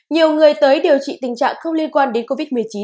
nhiều người tới điều trị tình trạng không liên quan đến covid một mươi chín